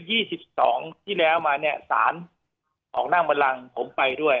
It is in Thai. ยี่สิบสิบสองที่แล้วมาเนี้ยสารออกนั่งมารังผมไปด้วย